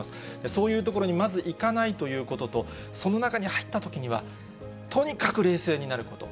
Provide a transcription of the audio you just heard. そういう所にまず行かないということと、その中に入ったときには、とにかく冷静になること。